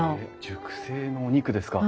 熟成のお肉ですか。